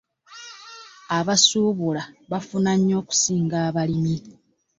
Abasubula bafuna nnyo okusinga abalimi.